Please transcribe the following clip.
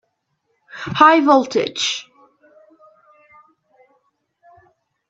High voltage!